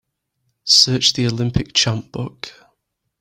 Search The Olympic Champ book.